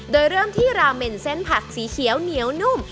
โดยเริ่มที่ราเมนเส้นผักสีเขียวเหนียวนุ่ม